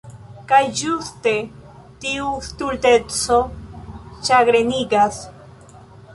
Kaj ĝuste tiu stulteco ĉagrenigas.